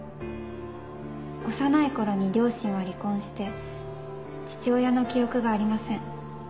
幼いころに両親は離婚して父親の記憶がありません。